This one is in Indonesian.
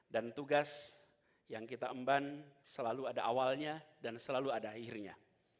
dan tugas yang kita imban selalu ada awalnya dan selalu ada akhirnya